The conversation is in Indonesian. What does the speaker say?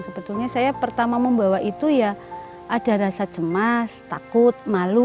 sebetulnya saya pertama membawa itu ya ada rasa cemas takut malu